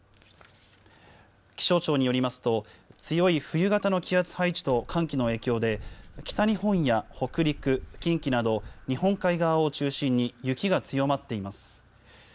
気象庁によりますと強い冬型の気圧配置と寒気の影響で北日本や北陸、近畿など日本海側を中心に雪が強まっています。